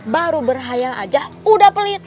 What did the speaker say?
baru berhayal aja udah pelit